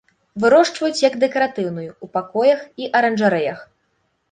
Вырошчваюць як дэкаратыўную ў пакоях і аранжарэях.